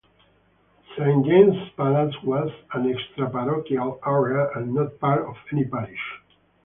Saint James's Palace was an extra-parochial area and not part of any parish.